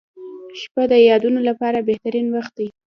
• شپه د یادونو لپاره بهترین وخت دی.